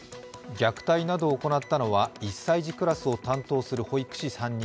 虐待などを行ったのは１歳児クラスを担当する保育士３人。